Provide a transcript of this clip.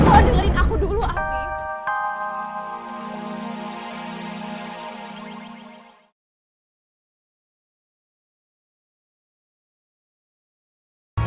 kau dengerin aku dulu afif